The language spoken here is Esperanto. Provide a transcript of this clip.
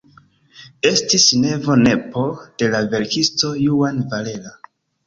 Estis nevo-nepo de la verkisto Juan Valera.